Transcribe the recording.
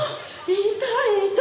いたいた。